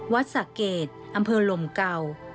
วัดสักเกตอำเภอลมเก่า